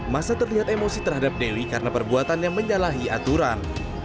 masa terlihat emosi terhadap dewi karena perbuatannya menyalahi aturan